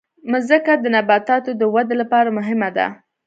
مځکه د نباتاتو د ودې لپاره مهمه ده.